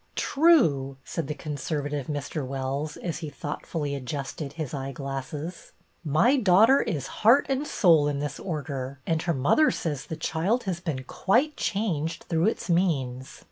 " True," said the conservative Mr. Wells, as he thoughtfully adjusted his eye glasses. " My daughter is heart and soul in this Order, and her mother says the child has been quite changed through its means.